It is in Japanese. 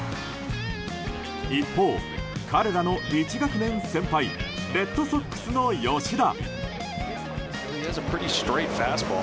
一方、彼らの１学年先輩レッドソックスの吉田。